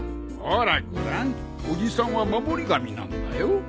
ほらご覧おじさんは守り神なんだよ。